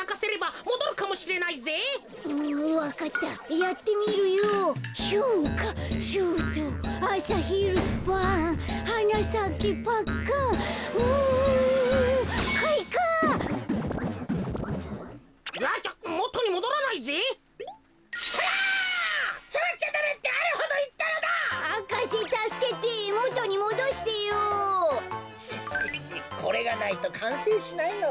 これがないとかんせいしないのだ。